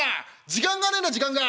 時間がねえんだ時間が。